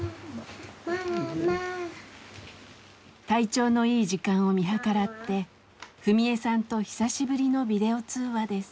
体調のいい時間を見計らって史恵さんと久しぶりのビデオ通話です。